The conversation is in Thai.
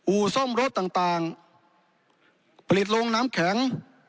อูลส้มและรถต่างผลิตลงน้ำแข็ง